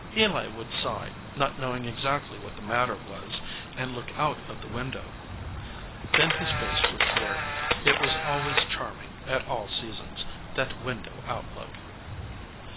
Eli 102 THE FLOWERING BUSH would sigh, not knowing exactly what the matter was, and look out of the window. Then his face would clear. It was always charming at all seasons, that window outlook.